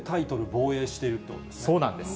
防衛してるってこそうなんです。